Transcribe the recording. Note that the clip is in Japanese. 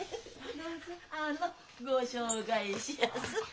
あのご紹介しやす。